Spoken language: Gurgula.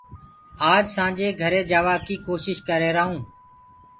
آج سآنٚجي گھري جآوآ ڪيٚ ڪوشيٚش ڪر ريهرآئونٚ